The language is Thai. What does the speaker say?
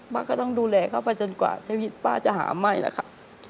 ก็ต้องดูแลเขาไปจนกว่าชีวิตป้าจะหาไหม้แล้วค่ะ